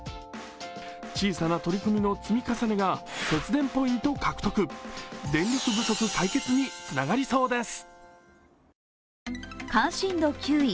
小さな取り組みの積み重ねが節電ポイント獲得、電力不足解決につながりそうです。